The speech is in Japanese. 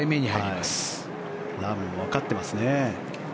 ラームもわかってますね。